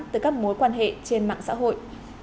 từ các mối quan hệ trên mạng xã hội